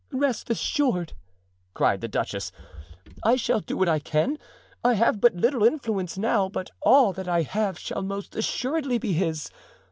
"Rest assured," cried the duchess, "I shall do what I can. I have but little influence now, but all that I have shall most assuredly be his.